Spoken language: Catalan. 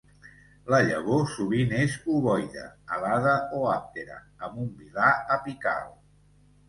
La llavor sovint és ovoide, alada o àptera, amb un vilà apical.